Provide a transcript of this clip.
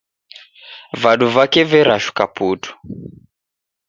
Vadu vake verashuka putu.